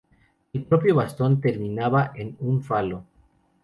El propio bastón terminaba en un falo.